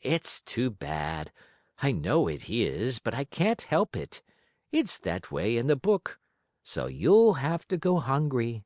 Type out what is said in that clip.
It's too bad, I know it is, but I can't help it. It's that way in the book, so you'll have to go hungry."